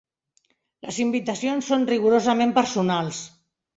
Les invitacions són rigorosament personals.